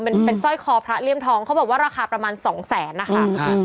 มันเป็นสร้อยคอพระเลี่ยมทองเขาบอกว่าราคาประมาณสองแสนนะคะ